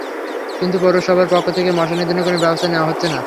কিন্তু পৌরসভার পক্ষ থেকে মশা নিধনে কোনো ব্যবস্থা নেওয়া হচ্ছে না।